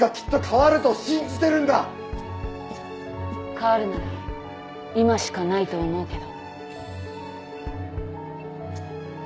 変わるなら今しかないと思うけど。